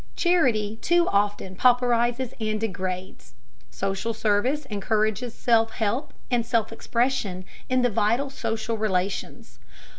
Charity too often pauperizes and degrades; social service encourages self help and self expression in the vital social relations.